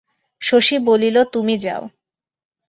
শশী বলিল, তুমি যাও।